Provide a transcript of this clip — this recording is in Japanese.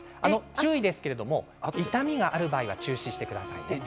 注意ですけれども痛みがある場合は中止してください。